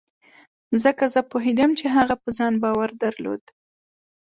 ځکه زه پوهېدم چې هغه په ځان باور درلود.